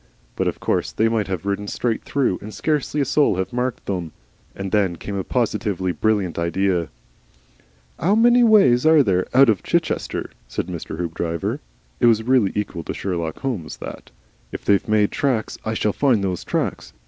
But of course they might have ridden straight through and scarcely a soul have marked them. And then came a positively brilliant idea. "'Ow many ways are there out of Chichester?" said Mr. Hoopdriver. It was really equal to Sherlock Holmes that. "If they've made tracks, I shall find those tracks.